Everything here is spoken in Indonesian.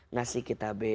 ngasih kita b